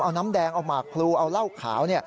เอาน้ำแดงเอาหมากพลูเอาเหล้าขาว